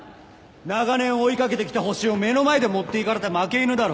長年追い掛けてきたホシを目の前で持っていかれた負け犬だろ。